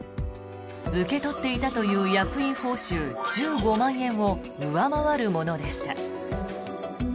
受け取っていたという役員報酬１５万円を上回るものでした。